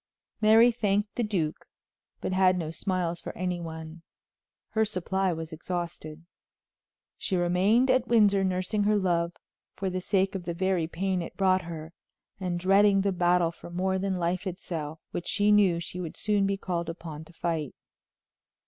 Mary thanked the duke, but had no smiles for any one. Her supply was exhausted. She remained at Windsor nursing her love for the sake of the very pain it brought her, and dreading the battle for more than life itself which she knew she should soon be called upon to fight.